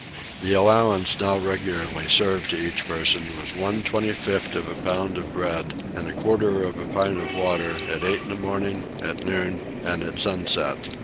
The allowance now regularly served to each person was one 25th of a pound of bread and a quarter of a pint of water, at eight in the morning, at noon, and at sunset.